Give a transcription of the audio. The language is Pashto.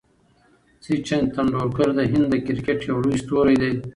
سچن ټندولکر د هند د کرکټ یو لوی ستوری دئ.